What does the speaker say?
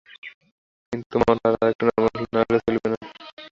কিন্তু মন আর-একটু নরম না হইলে চলিবে না।